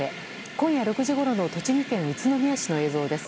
今夜６時ごろの栃木県宇都宮市の映像です。